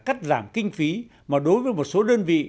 cắt giảm kinh phí mà đối với một số đơn vị